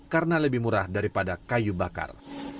karena lebih murah daripada kayu bakar